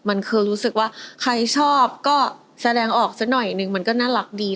มันคือรู้สึกว่าใครชอบก็แสดงออกสักหน่อยหนึ่งมันก็น่ารักดี